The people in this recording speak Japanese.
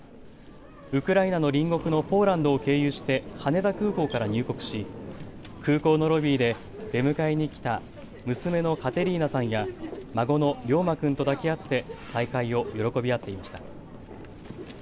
ウクライナの隣国のポーランドを経由して羽田空港から入国し空港のロビーで出迎えに来た娘のカテリーナさんや孫の凌磨君と抱き合って再会を喜び合っていました。